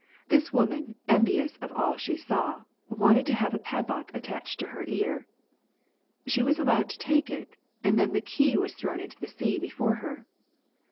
This woman, envious of all she saw, wanted to have a padlock attached to her ear. She was allowed to take it, and then the key was thrown into the sea before her.